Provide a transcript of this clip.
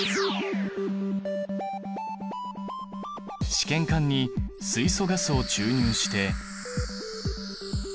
試験管に水素ガスを注入して。